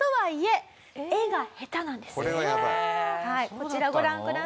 こちらご覧ください。